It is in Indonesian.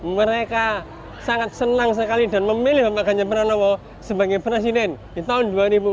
mereka sangat senang sekali dan memilih bapak ganjar pranowo sebagai presiden di tahun dua ribu empat belas